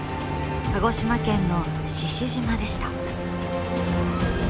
鹿児島県の獅子島でした。